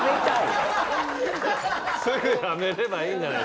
すぐやめればいいんじゃないですか。